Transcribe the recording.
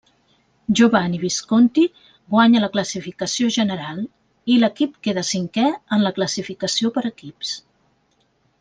Giovanni Visconti guanya la classificació general i l'equip queda cinquè en la classificació per equips.